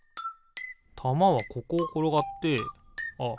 たまはここをころがってあっ